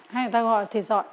hay người ta gọi là thịt dọi